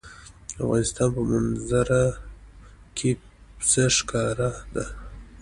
د افغانستان په منظره کې پسه ښکاره ده.